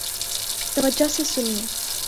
توجہ سے سنیئے